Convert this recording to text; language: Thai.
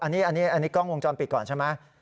อันนี้กล้องวงจรปิดก่อนใช่ไหม